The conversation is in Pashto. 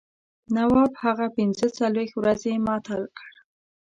نواب هغه پنځه څلوېښت ورځې معطل کړ.